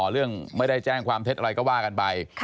เรื่องไม่ได้แจ้งความเท็จอะไรก็ว่ากันไป